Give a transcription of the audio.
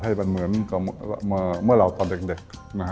ให้มันเหมือนกับเมื่อเราตอนเด็ก